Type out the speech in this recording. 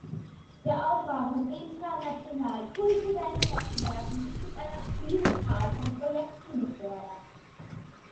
Der Aufbau von internationalen, kulturellen Netzwerken wird mit einer Vielzahl von Projekten gefördert.